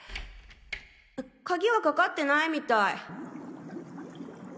鍵はかかってないみたい。